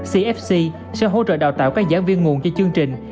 cfc sẽ hỗ trợ đào tạo các giảng viên nguồn cho chương trình